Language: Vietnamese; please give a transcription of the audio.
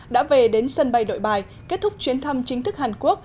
đã về đến sân bay nội bài kết thúc chuyến thăm chính thức hàn quốc